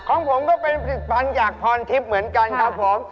ของผมก็เป็นผลิตภัณฑ์จากพรทิพย์เหมือนกันครับผม